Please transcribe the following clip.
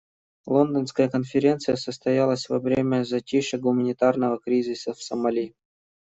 Лондонская конференция состоялась во время затишья гуманитарного кризиса в Сомали.